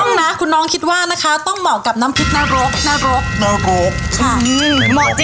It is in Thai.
คุณน้องนะคุณน้องคิดว่านะคะต้องเหมาะกับน้ำพริกนรก